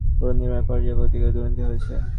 পুরো নির্বাহী পর্যায়ে পদ্ধতিগত দুর্নীতি হয়েছে।